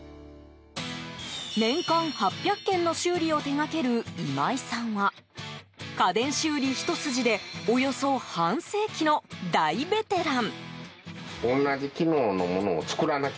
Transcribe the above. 年間８００件の修理を手掛ける今井さんは家電修理ひと筋でおよそ半世紀の大ベテラン。